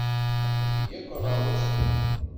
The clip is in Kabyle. Neqbel akk aɣawas-nni.